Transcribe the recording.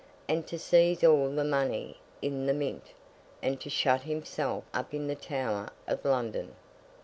—and to seize all the money in the Mint, and to shut himself up in the Tower of London.